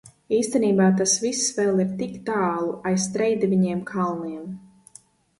Īstenībā tas viss vēl ir tik tālu aiz trejdeviņiem kalniem.